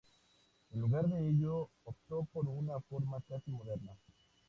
En lugar de ello, optó por una forma casi moderna.